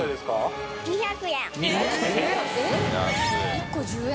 １個１０円？